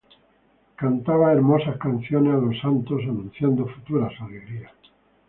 Cantaban hermosas canciones a los santos, anunciando futuras alegrías.